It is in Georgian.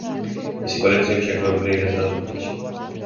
მისი კოლექციები შეგროვებულია ირანსა და თურქეთში.